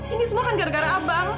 ini semua kan gara gara abang